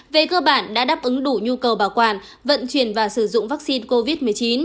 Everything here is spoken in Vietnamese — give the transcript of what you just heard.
về cơ bản đã đáp ứng đủ nhu cầu bảo quản vận chuyển và sử dụng vaccine covid một mươi chín